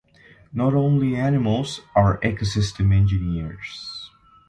Not only animals are ecosystem engineers.